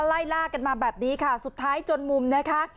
ไล่ล่ากันมาแบบนี้ค่ะสุดท้ายจนมุมนะคะ